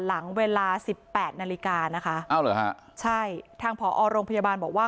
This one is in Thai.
หลังเวลาสิบแปดนาฬิกานะคะอ้าวเหรอฮะใช่ทางผอโรงพยาบาลบอกว่า